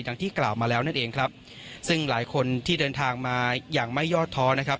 ที่กล่าวมาแล้วนั่นเองครับซึ่งหลายคนที่เดินทางมาอย่างไม่ยอดท้อนะครับ